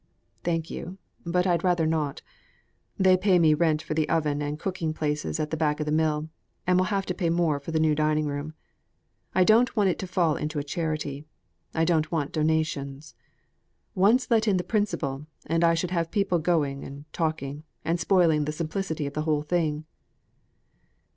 "Thank you; but I'd rather not. They pay me rent for the oven and cooking places at the back of the mill: and will have to pay more for the new dining room. I don't want it to fall into a charity. I don't want donations. Once let in the principle, and I should have people going and talking, and spoiling the simplicity of the whole thing."